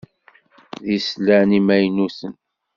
D islan imaynuten.